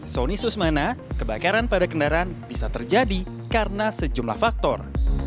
soni susmana kebakaran pada kendaraan bisa terjadi karena sejumlah faktor